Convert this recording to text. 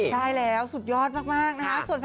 ใช่แล้วสุดยอดมากนะคะ